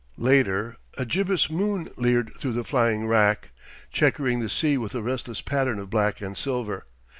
Later a gibbous moon leered through the flying wrack, checkering the sea with a restless pattern of black and silver.